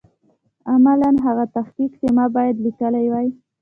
عملاً هغه تحقیق چې ما باید لیکلی وای.